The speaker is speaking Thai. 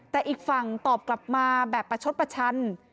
แต่อีกฝั่งตอบกลับมาแบบประชดประชัน